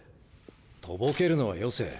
とぼけるのはよせ。